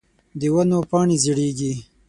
د ونو پاڼی زیړیږې